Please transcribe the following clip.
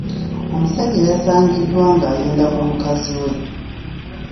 Omusajja yasangiddwa ng'ayenda ku mukazi we.